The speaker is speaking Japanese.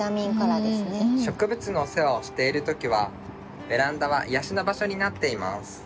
植物のお世話をしている時はベランダは癒やしの場所になっています。